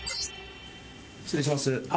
失礼します。